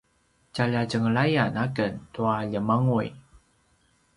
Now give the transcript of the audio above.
tjalja tjenglayan aken tua ljemanguy